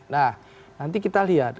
nah nanti kita lihat